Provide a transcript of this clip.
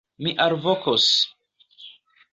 Mi alvokos!